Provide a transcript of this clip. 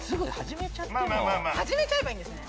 始めちゃえばいいんですね。